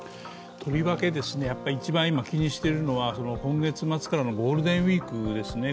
とりわけ一番、今気にしているのは、今月末からのゴールデンウイークですね。